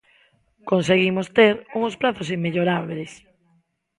Conseguimos ter uns prazos inmellorábeis.